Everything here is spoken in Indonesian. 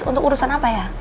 untuk urusan apa ya